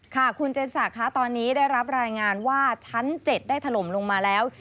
ค่ะคุณเจนศักดิ์ตอนนี้ได้รับรายงานว่าชั้น๗ได้ถล่มลงมาแล้ว